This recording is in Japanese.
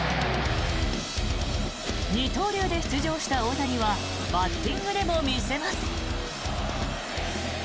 二刀流で出場した大谷はバッティングでも見せます。